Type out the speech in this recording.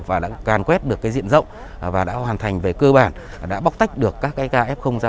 hơn và can quét được cái diện rộng và đã hoàn thành về cơ bản đã bóc tách được các cái kf ra